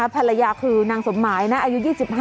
ภรรยาคือนางสมหมายนะอายุ๒๕